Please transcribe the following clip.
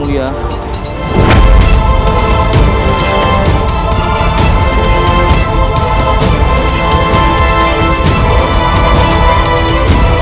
dia akan menjadi